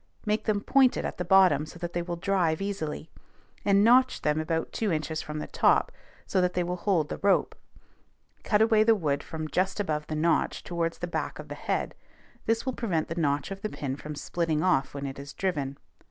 Make them pointed at the bottom, so that they will drive easily; and notch them about two inches from the top, so that they will hold the rope. Cut away the wood from just above the notch towards the back of the head; this will prevent the notch of the pin from splitting off when it is driven.